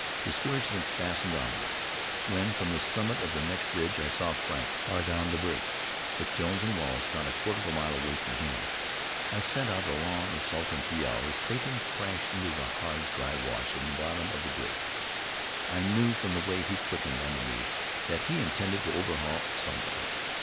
Discouragement fastened on me, when from the summit of the next ridge I saw Frank far down the break, with Jones and Wallace not a quarter of a mile away from him. I sent out a long, exultant yell as Satan crashed into the hard, dry wash in the bottom of the break. I knew from the way he quickened under me that he intended to overhaul somebody.